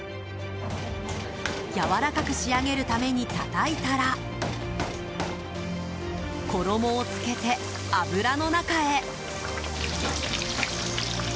やわらかく仕上げるためにたたいたら衣をつけて油の中へ。